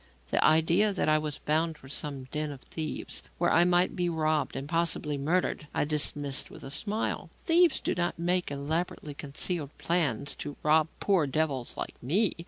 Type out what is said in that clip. The idea that I was bound for some den of thieves where I might be robbed and possibly murdered, I dismissed with a smile. Thieves do not make elaborately concerted plans to rob poor devils like me.